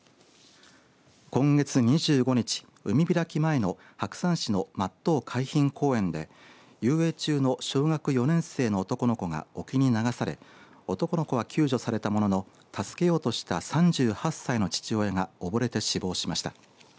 今月２５日、海開き前の白山市の松任海浜公園で遊泳中の小学４年生の男の子が沖に流され男の子は救助されたものの助けようとした３８歳の父親がおぼれて死亡しました。